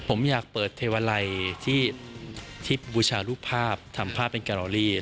ผมอยากเปิดเทวาลัยที่บูชารูปภาพทำภาพเป็นการอรี่